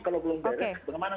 kalau belum beres